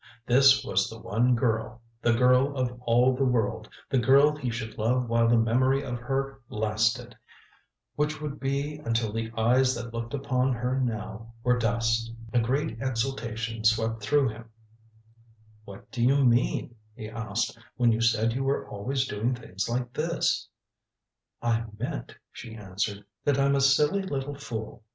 This was the one girl, the girl of all the world, the girl he should love while the memory of her lasted, which would be until the eyes that looked upon her now were dust. A great exultation swept through him "What did you mean," he asked, "when you said you were always doing things like this?" "I meant," she answered, "that I'm a silly little fool.